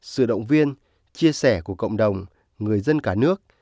sự động viên chia sẻ của cộng đồng người dân cả nước